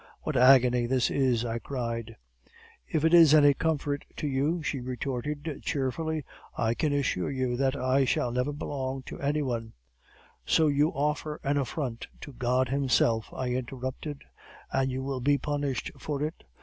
What agony this is!' I cried. "'If it is any comfort to you,' she retorted cheerfully, 'I can assure you that I shall never belong to any one ' "'So you offer an affront to God Himself,' I interrupted; 'and you will be punished for it.